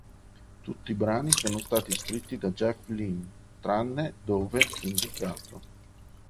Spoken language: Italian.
Tutti i brani sono stati scritti da Jeff Lynne tranne dove indicato.